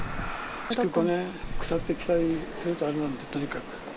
築５年、腐ってきたりするとあれなんで、とにかく。